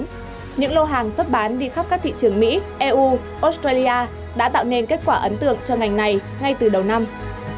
trong đó những lô hàng xuất bán đi khắp các thị trường mỹ eu australia đã tạo nên kết quả ấn tượng cho ngành này ngay từ đầu năm